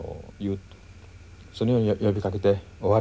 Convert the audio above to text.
そのように呼びかけて終わるわけです。